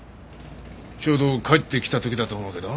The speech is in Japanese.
ちょうど帰ってきた時だと思うけど。